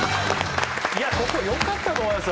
ここよかったと思いますよ